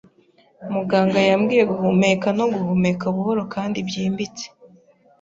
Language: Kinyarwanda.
Muganga yambwiye guhumeka no guhumeka buhoro kandi byimbitse.